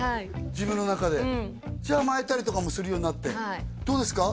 自分の中でうんじゃあ甘えたりとかもするようになってどうですか？